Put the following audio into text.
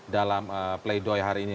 dalam play doh yang hari ini